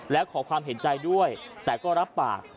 แล้วขอความเห็นใจด้วยแต่ก็รับปาก